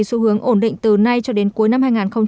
xu hướng ổn định từ nay cho đến cuối năm hai nghìn hai mươi